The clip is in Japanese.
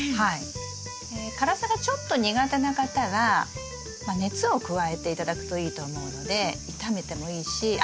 辛さがちょっと苦手な方は熱を加えて頂くといいと思うので炒めてもいいしあっ